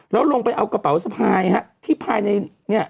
แล้วลงไปเอากระเป๋าสะพายที่ภายในเนี่ย